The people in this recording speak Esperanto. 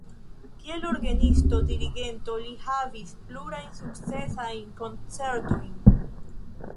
Kiel orgenisto, dirigento li havis plurajn sukcesajn koncertojn.